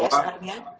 program csr nya